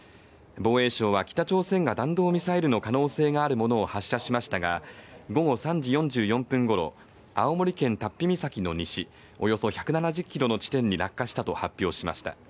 防衛省は、北朝鮮が弾道ミサイルの可能性があるものを発射しましたが、午後３時４４分ごろ、青森県龍飛岬の西およそ１７０ｋｍの地点に落下したと発表しました。